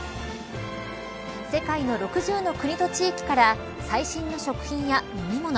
世界の６０の国と地域から最新の食品や飲み物